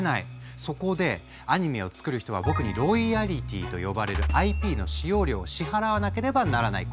そこでアニメを作る人は僕にロイヤリティーと呼ばれるＩＰの使用料を支払わなければならない。